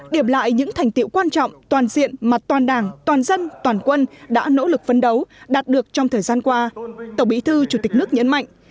điểm lại những thành tiệu quan trọng toàn diện mặt toàn đảng toàn dân toàn quân đã nỗ lực phấn đấu đạt được trong thời gian qua tổng bí thư chủ tịch nước nhấn mạnh